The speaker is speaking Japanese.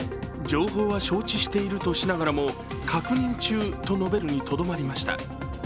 情報は承知しているとしながらも確認中と述べるにとどめました。